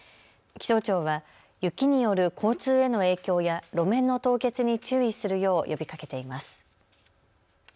気象庁は雪による交通への影響や路面の凍結に注意するよう呼びかけています。